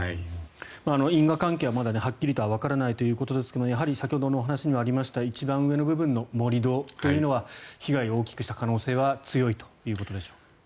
因果関係はまだはっきりとはわからないということですがやはり先ほどのお話にありました一番上の盛り土というのは被害を大きくした可能性は強いということでしょうか。